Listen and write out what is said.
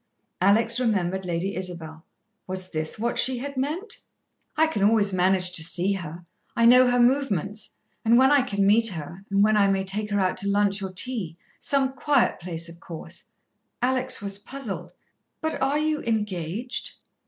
Alex remembered Lady Isabel. Was this what she had meant? "I can always manage to see her. I know her movements, and when I can meet her, and when I may take her out to lunch or tea some quiet place, of course." Alex was puzzled. "But are you engaged?"